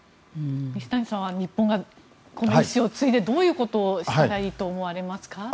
西谷さんは日本がこの遺志を継いでどのようなことをしたらいいと思いますか？